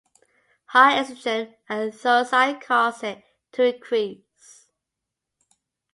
High estrogen, and thyroxine cause it to increase.